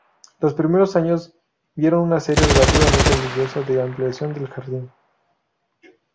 Los primeros años vieron una serie relativamente ambiciosa de ampliaciones del jardín.